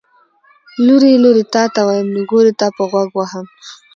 ـ لورې لورې تاته ويم، نګورې تاپه غوږ وهم.